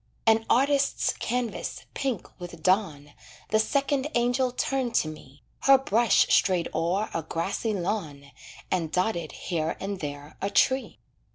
An artist's canvas, pink with dawn, The second angel turned to me, Her brush strayed o'er a grassy lawn And dotted here and there a tree.